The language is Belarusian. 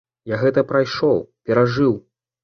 Я гэта прайшоў, перажыў.